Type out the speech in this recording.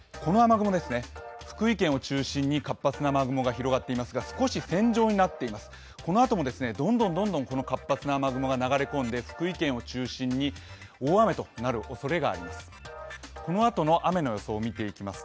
福井県を中心に活発な雨雲が広がっていますが、このあとも、どんどん活発な雨雲が入り込んできて、福井県を中心に大雨となるおそれがあります。